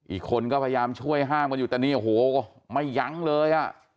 อีกคนก็พยายามช่วยห้างคนอยู่แต่นี่ไม่ยั้งเลย